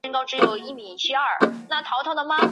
次赛季他开始执教莱切。